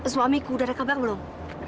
suamiku udah ada kabar belum